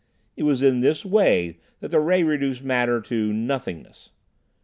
It was in this way that the ray reduced matter to "nothingness."